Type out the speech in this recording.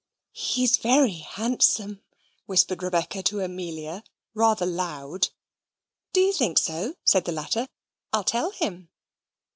"He's very handsome," whispered Rebecca to Amelia, rather loud. "Do you think so?" said the latter. "I'll tell him."